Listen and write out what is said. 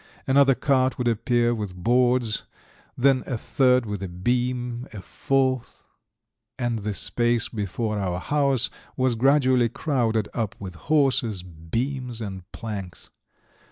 Another cart would appear with boards, then a third with a beam, a fourth ... and the space before our house was gradually crowded up with horses, beams, and planks.